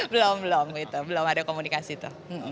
belum belum gitu belum ada komunikasi itu